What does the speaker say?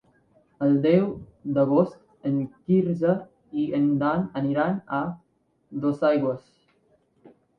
El deu d'agost en Quirze i en Dan aniran a Dosaigües.